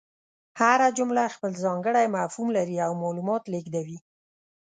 هره جمله خپل ځانګړی مفهوم لري او معلومات لېږدوي.